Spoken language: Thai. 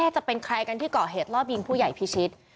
จะเป็นใครกันที่เกาะเหตุรอบยิงผู้ใหญ่พิชิต